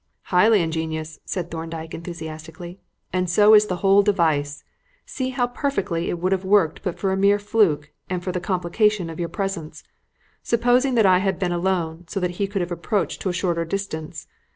"Highly ingenious," said Thorndyke, enthusiastically, "and so is the whole device. See how perfectly it would have worked but for a mere fluke and for the complication of your presence. Supposing that I had been alone, so that he could have approached to a shorter distance.